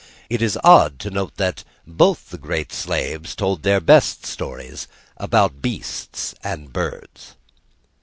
It is odd to note that both the great slaves told their best stories about beasts and birds.